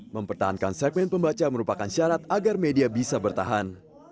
mempertahankan segmen pembaca merupakan syarat agar media bisa bertahan